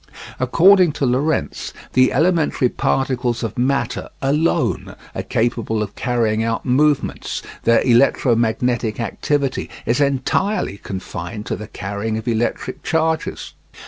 According to Lorentz the elementary particles of matter alone are capable of carrying out movements; their electromagnetic activity is entirely confined to the carrying of electric charges.